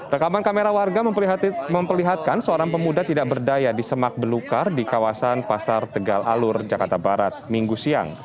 rekaman kamera warga memperlihatkan seorang pemuda tidak berdaya di semak belukar di kawasan pasar tegal alur jakarta barat minggu siang